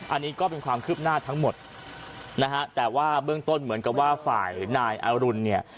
อันนี้ก็เป็นความคืบหน้าทั้งหมดนะฮะแต่ว่าเบื้องต้นเหมือนกับว่าฝ่ายนายอรุณเนี่ย